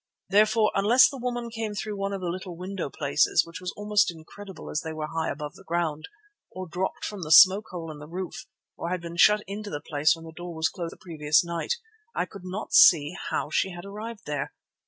Therefore, unless the woman came through one of the little window places, which was almost incredible as they were high above the ground, or dropped from the smoke hole in the roof, or had been shut into the place when the door was closed on the previous night, I could not see how she had arrived there.